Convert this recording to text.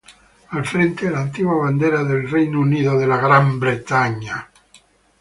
Al frente, la antigua bandera del Reino Unido.